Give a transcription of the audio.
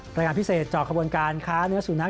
รายงานพิเศษเจาะขบวนการค้าเนื้อสุนัข